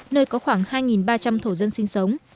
nơi có khoảng hai ba trăm linh thổ dân sinh sống